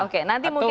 oke oke nanti mungkin